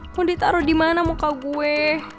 pun ditaruh di mana muka gue